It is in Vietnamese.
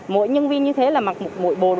mỗi nhân viên như thế là mặc mũi bồn